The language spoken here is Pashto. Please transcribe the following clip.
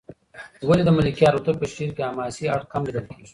ولې د ملکیار هوتک په شعر کې حماسي اړخ کم لېدل کېږي؟